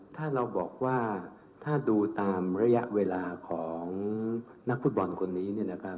ถ้าเราบอกว่าถ้าดูตามระยะเวลาของนักฟุตบอลคนนี้